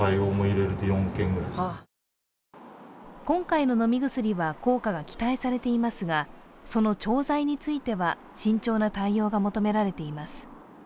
今回の飲み薬は、効果が期待されていますがその調剤については慎重な対応が求められています。